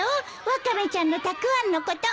ワカメちゃんのたくあんのこと。